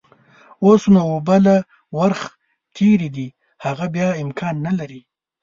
اوس نو اوبه له ورخ تېرې دي، هغه بيا امکان نلري.